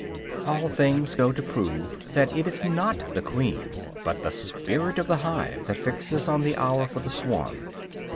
All things go to prove that it is not the queen, but the "spirit of the hive," that fixes on the hour for the swarm.